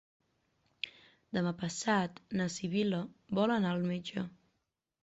Demà passat na Sibil·la vol anar al metge.